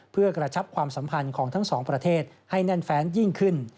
เพื่อกระชับความสัมพันธ์ของทั้งสองประเทศให้แน่นแฟนยิ่งขึ้น